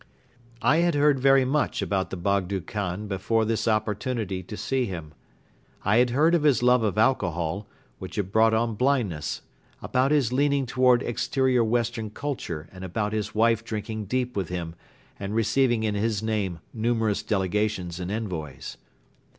I had heard very much about the Bogdo Khan before this opportunity to see him. I had heard of his love of alcohol, which had brought on blindness, about his leaning toward exterior western culture and about his wife drinking deep with him and receiving in his name numerous delegations and envoys.